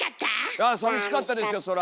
いやさみしかったですよそら。